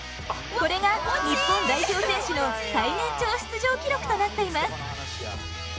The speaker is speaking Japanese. これが日本代表選手の最年長出場記録となっています。